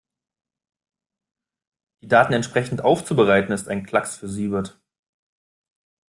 Die Daten entsprechend aufzubereiten, ist ein Klacks für Siebert.